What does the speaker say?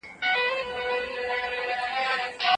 موږ تېره شپه تر ناوخته کیسې کولې.